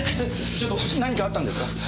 ちょっと何かあったんですか？